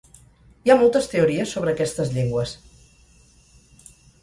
Hi ha moltes teories sobre aquestes llengües.